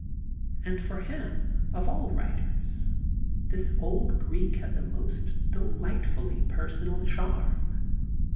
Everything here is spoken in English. And for him, of all writers, this old Greek had the most delightfully personal charm.